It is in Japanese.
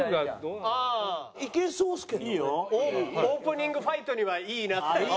オープニングファイトにはいいな。